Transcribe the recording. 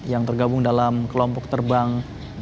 yang tergabung dalam kelompok terbang delapan belas